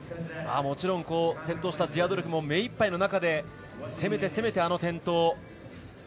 もちろん転倒したディアドルフも目いっぱいの中で攻めて、攻めてあの転倒。